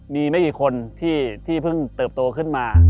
มีไม่กี่คนที่เพิ่งเติบโตขึ้นมา